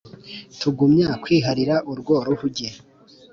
tugumya kwiharira urwo ruhuge,